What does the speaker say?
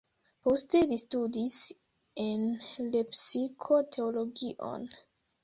Poste li studis en Lepsiko teologion.